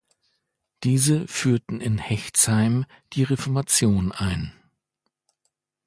Diese führten in Hechtsheim die Reformation ein.